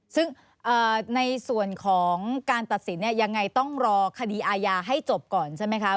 ซึ่งในส่วนของการตัดสินเนี่ยยังไงต้องรอคดีอาญาให้จบก่อนใช่ไหมคะ